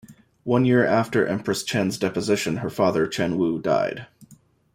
One year after Empress Chen's deposition, her father Chen Wu died.